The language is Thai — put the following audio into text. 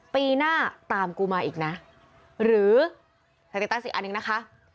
ปีหน้าตามกูมาอีกนะหรือสเตตัสอีกอันหนึ่งนะคะ